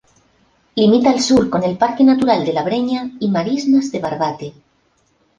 Limita al sur con el Parque Natural de la Breña y Marismas de Barbate.